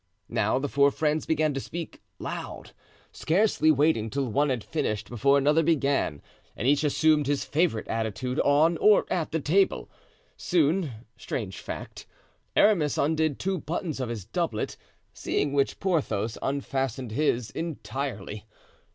Now the four friends began to speak loud, scarcely waiting till one had finished before another began, and each assumed his favorite attitude on or at the table. Soon—strange fact—Aramis undid two buttons of his doublet, seeing which, Porthos unfastened his entirely.